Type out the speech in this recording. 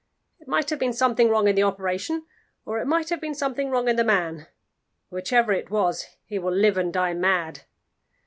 It might have been something wrong in the operation, or it might have been something wrong in the man. Whichever it was, he will live and die mad.